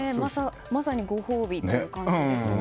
まさにご褒美という感じですよね。